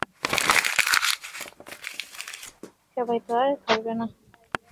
সবাই তো আর ধরবে না।